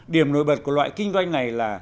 điểm nổi bật của loại kinh doanh này là